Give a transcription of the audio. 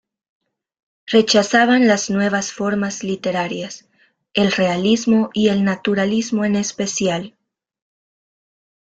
Rechazaban las nuevas formas literarias, el realismo y el naturalismo en especial.